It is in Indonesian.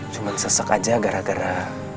cuma sesek aja gara gara